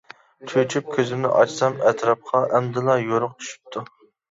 چۆچۈپ كۆزۈمنى ئاچسام، ئەتراپقا ئەمدىلا يورۇق چۈشۈپتۇ.